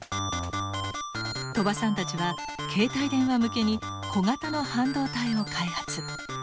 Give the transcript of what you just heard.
鳥羽さんたちは携帯電話向けに小型の半導体を開発。